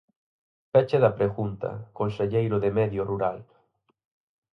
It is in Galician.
Peche da pregunta, conselleiro de Medio Rural.